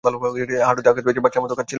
হাটুতে আঘাত পেয়েছে - বাচ্চার মত কাদছিল।